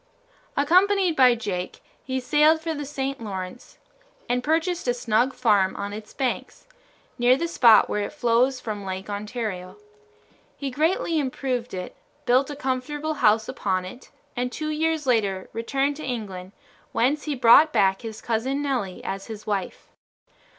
Accompanied by Jake, he sailed for the St. Lawrence and purchased a snug farm on its banks, near the spot where it flows from Lake Ontario. He greatly improved it, built a comfortable house upon it, and two years later returned to England, whence he brought back his Cousin Nelly as his wife.